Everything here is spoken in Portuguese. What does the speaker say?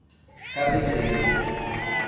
Cabeceiras